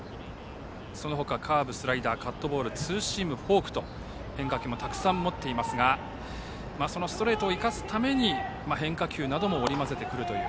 その他、カーブ、スライダーカットボールツーシーム、フォークと変化球もたくさん持っていますがそのストレートを生かすために変化球なども織り交ぜてくるという。